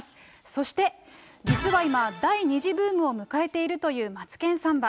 そして、実は今、第２次ブームを迎えているというマツケンサンバ。